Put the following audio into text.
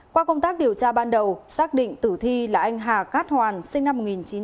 qua công tác điều tra ban đầu xác định tử thi là anh hà cát hoàn sinh năm một nghìn chín trăm tám mươi